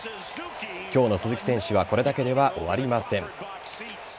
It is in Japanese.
今日の鈴木選手はこれだけでは終わりません。